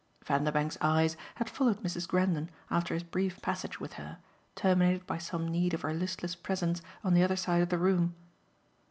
Vanderbank's eyes had followed Mrs. Grendon after his brief passage with her, terminated by some need of her listless presence on the other side of the room.